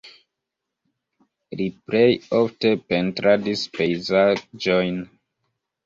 Li plej ofte pentradis pejzaĝojn.